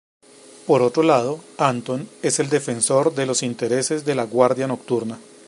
Por otro lado, Anton es el defensor de los intereses de la Guardia nocturna.